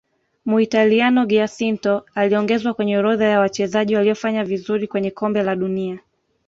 muitaliano giacinto aliongezwa kwenye orodha ya wachezaji waliofanya vizuri kwenye Kombe la dunia